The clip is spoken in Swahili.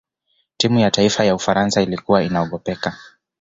timu ya taifa ya ufaransa ilikuwa inaogopeka